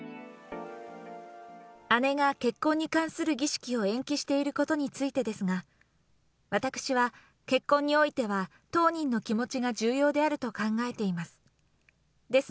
姉が結婚に関する儀式を延期していることについてですが、私は結婚においては当人の気持ちが重要であると考えています。